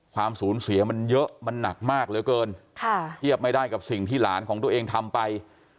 ความสูญเสียมันเยอะมันหนักมากเหลือเกินเทียบไม่ได้กับสิ่งที่หลานของตัวเองทำไป